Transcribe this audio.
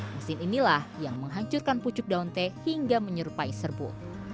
mesin inilah yang menghancurkan pucuk daun teh hingga menyerupai serbu